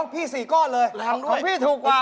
พี่๔ก้อนเลยของพี่ถูกกว่า